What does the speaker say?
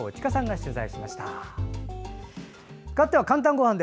かわっては「かんたんごはん」。